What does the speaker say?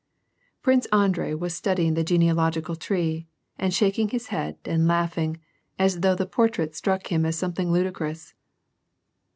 Prince Andrei was studying this genealogical tree, and shaking his head and laiighing, as though the portrait struck him as something ludicrous.